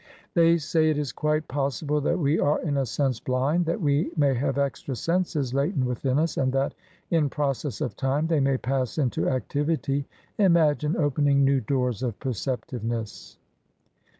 " They say it is quite possible that we are, in a sense, blind — ^that we may have extra senses latent within us, and that in process of time they may pass into activity. Imagine opening new doors of perceptiveness